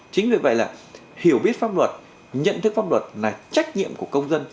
chính vì vậy là hiểu biết pháp luật nhận thức pháp luật là trách nhiệm của công dân